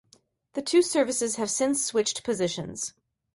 The two services have since switched positions.